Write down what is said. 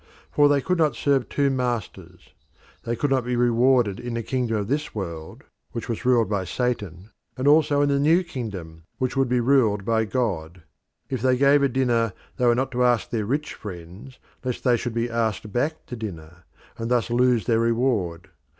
For they could not serve two masters: they could not be rewarded in the kingdom of this world, which was ruled by Satan, and also in the new kingdom, which would be ruled by God. If they gave a dinner they were not to ask their rich friends lest they should be asked back to dinner, and thus lose their reward.